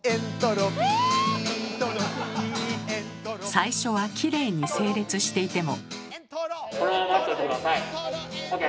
最初はきれいに整列していても。